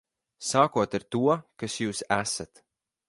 Sākot ar to, kas jūs esat.